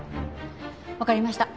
わかりました。